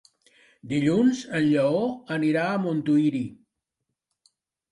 Dilluns en Lleó anirà a Montuïri.